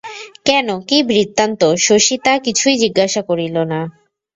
কেন, কী বৃত্তান্ত শশী তাহ কিছুই জিজ্ঞাসা করিল না।